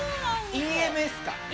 ＥＭＳか！